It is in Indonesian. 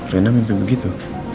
rina mimpi begitu